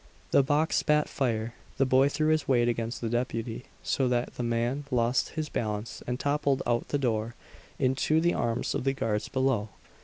The box spat fire. The boy threw his weight against the deputy, so that the man lost his balance and toppled out the door into the arms of the guards below.